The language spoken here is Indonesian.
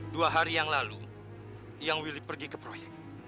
dua hari yang lalu yang willy pergi ke proyek